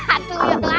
aduh ya tuhan